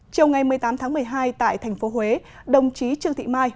chiều ngày một mươi tám tháng một mươi hai tại thành phố huế đồng chí trương thị mai